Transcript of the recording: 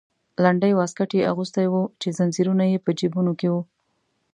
لنډی واسکټ یې اغوستی و چې زنځیرونه یې په جیبونو کې وو.